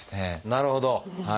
なるほど！